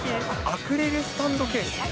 アクリルスタンドケース？